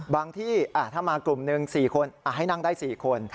ที่ถ้ามากลุ่มหนึ่ง๔คนให้นั่งได้๔คน